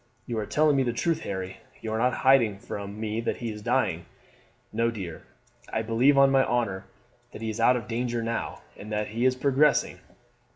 "You are telling me the truth, Harry? You are not hiding from me that he is dying?" "No, dear; I believe, on my honour, that he is out of danger now, and that he is progressing.